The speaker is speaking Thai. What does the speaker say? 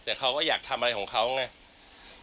แต่เขาก็อยากทำอะไรของเขาไง